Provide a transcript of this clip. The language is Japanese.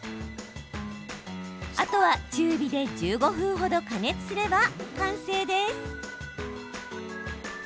あとは中火で１５分程加熱すれば完成です。